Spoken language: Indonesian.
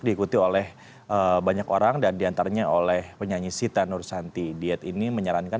diikuti oleh banyak orang dan diantaranya oleh penyanyi sita nursanti diet ini menyarankan